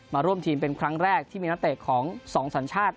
มาร่วมทีมเป็นครั้งแรกที่มีนักเตะของสองสัญชาติ